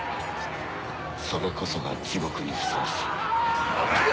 それこそが地獄にふさわしい。